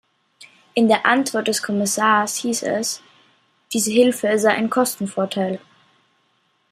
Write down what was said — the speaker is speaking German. In der Antwort des Kommissars hieß es, diese Hilfe sei ein Kostenvorteil.